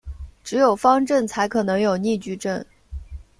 只有方阵才可能有逆矩阵。